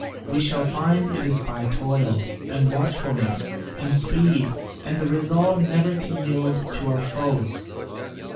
We shall find it is by toil, and watchfulness, and speed, and the resolve never to yield to our foes.